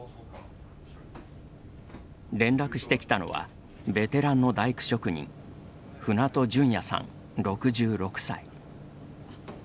連絡してきたのは、ベテランの大工職人・船戸淳也さん、６６歳。